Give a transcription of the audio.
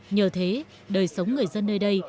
nhờ thế đời sống người dân nơi đây